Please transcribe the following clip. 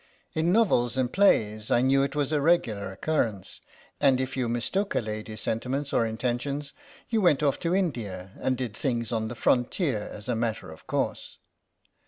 In novels and plays I knew it was a regular occurrence, and if you mistook a lady's sentiments or intentions you went off to India and did things on the frontier as a matter of course.